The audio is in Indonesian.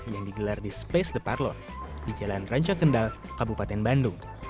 yang digelar di space the parlor di jalan rancang kendal kabupaten bandung